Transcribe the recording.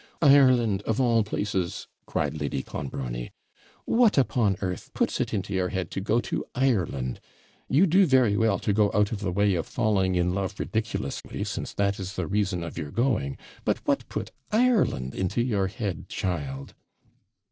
'Ireland! of all places,' cried Lady Clonbrony. 'What upon earth puts it into your head to go to Ireland? You do very well to go out of the way of falling in love ridiculously, since that is the reason of your going; but what put Ireland into your head, child?'